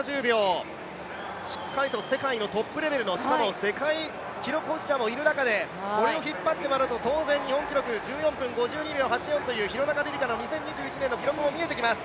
しっかりと世界のトップレベルの、世界記録保持者もいる中でこれを引っ張ってると当然、日本新記録、廣中璃梨佳の２０２１年の記録も見えてきます。